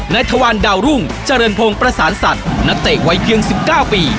ทวันดาวรุ่งเจริญพงศ์ประสานสัตว์นักเตะวัยเพียง๑๙ปี